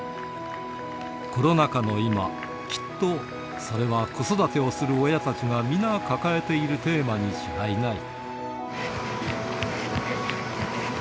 コロナ禍の今、きっとそれは子育てをする親たちが皆抱えているテーマに違いない。